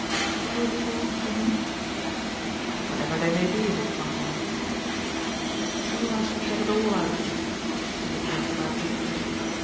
"It will be all for ME?" "Whatever there may be of it, my dear." "Oh I shall get it all out of you," she returned without hesitation.